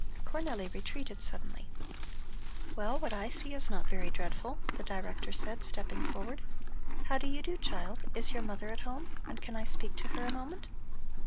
Cornelli retreated suddenly. "Well, what I see is not very dreadful," the Director said, stepping forward. "How do you do, child. Is your mother at home, and can I speak to her a moment?"